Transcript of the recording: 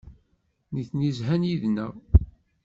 Nitni zhan yid-neɣ.